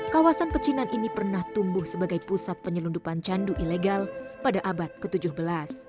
kawasan pecinan ini pernah tumbuh sebagai pusat penyelundupan candu ilegal pada abad ke tujuh belas